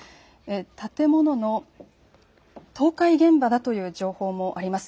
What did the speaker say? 建物の倒壊現場だという情報もあります。